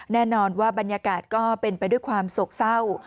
แน่นอนว่าบรรยากาศก็เป็นไปด้วยความโศกเศร้า